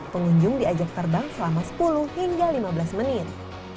pengunjung diajak terbang selama sepuluh hingga lima belas menit